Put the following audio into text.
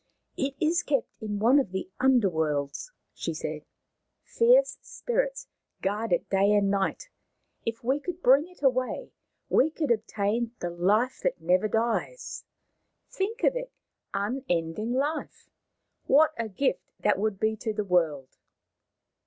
" It is kept in one of the underworlds," she said. " Fierce spirits guard it day and night. If we could bring it away we should obtain the Life that never dies. Think of it. Unending Life ! What a gift that would be to the world